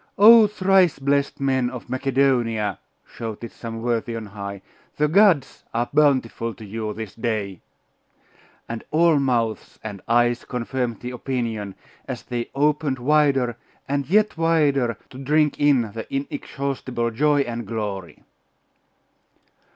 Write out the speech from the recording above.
'Oh, thrice blest men of Macedonia!' shouted some worthy on high, 'the gods are bountiful to you this day!' And all mouths and eyes confirmed the opinion, as they opened wider and yet wider to drink in the inexhaustible joy and glory.